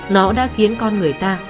nó đã khiến con người ta